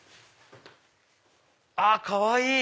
あっかわいい！